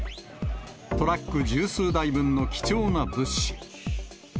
トラック十数台分の貴重な物資。